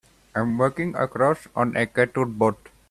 I'm working across on a cattle boat.